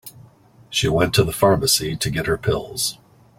She went to the pharmacy to get her pills.